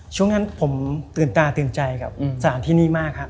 ช่วงนั้นผมตื่นตาตื่นใจกับสารที่นี่มากครับ